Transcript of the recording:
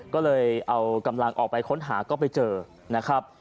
ก็เลยเอากำลังออกไปค้นหาก็ไปเจอนะครับ